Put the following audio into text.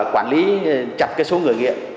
quản lý chặt số người nghiện